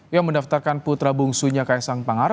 yang mendaftarkan putra bungsunya kaisang pangar